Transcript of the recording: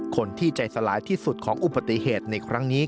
คนที่ใจสลายที่สุดของอุบัติเหตุในครั้งนี้